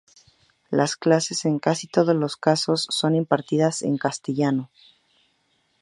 Las clases, en casi todos los casos, son impartidas en castellano.